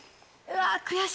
うわ。